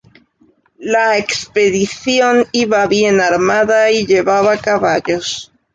La expedición iba bien armada y llevaba caballos.